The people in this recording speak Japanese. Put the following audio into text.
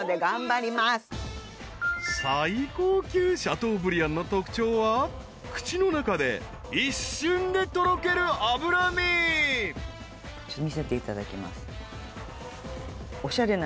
［最高級シャトーブリアンの特徴は口の中で一瞬でとろける脂身］